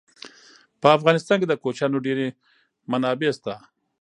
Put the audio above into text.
په افغانستان کې د کوچیانو ډېرې منابع شته.